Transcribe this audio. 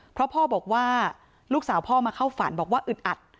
เพราะพ่อบอกว่าลูกสาวพ่อมาเข้าฝันบอกว่าอึดอัด